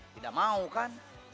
tidak mau kan